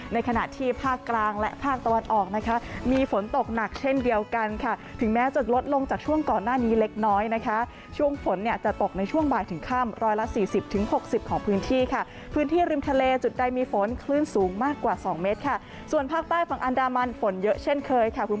ในขณะที่ภาคกลางและภาคตะวันออกนะคะมีฝนตกหนักเช่นเดียวกันค่ะถึงแม้จะลดลงจากช่วงก่อนหน้านี้เล็กน้อยนะคะช่วงฝนเนี่ยจะตกในช่วงบ่ายถึงค่ำร้อยละสี่สิบถึงหกสิบของพื้นที่ค่ะพื้นที่ริมทะเลจุดใดมีฝนคลื่นสูงมากกว่าสองเมตรค่ะส่วนภาคใต้ฝั่งอันดามันฝนเยอะเช่นเคยค่ะคุณ